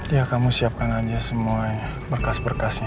ya kamu siapkan aja semua berkas berkasnya